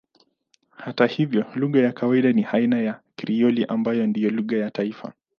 Hata hivyo lugha ya kawaida ni aina ya Krioli ambayo ndiyo lugha ya taifa.